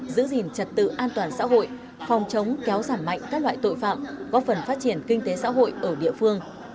giữ gìn trật tự an toàn xã hội phòng chống kéo giảm mạnh các loại tội phạm góp phần phát triển kinh tế xã hội ở địa phương